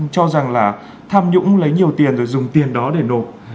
cho rằng là tham nhũng lấy nhiều tiền rồi dùng tiền đó để nộp